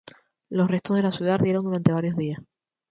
Los restos de la ciudad ardieron durante varios días.